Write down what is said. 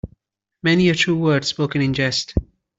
Many a true word spoken in jest.